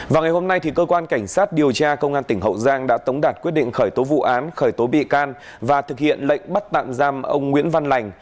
vào ngày hôm nay cơ quan cảnh sát điều tra công an tỉnh hậu giang đã tống đạt quyết định khởi tố vụ án khởi tố bị can và thực hiện lệnh bắt tạm giam ông nguyễn văn lành